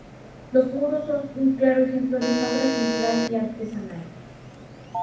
Los muros son un claro ejemplo de una obra singular y artesanal.